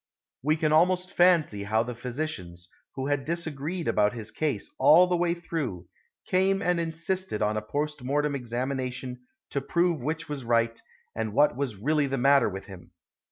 We can almost fancy how the physicians, who had disagreed about his case all the way through, came and insisted on a post mortem examination to prove which was right and what was really the matter with him.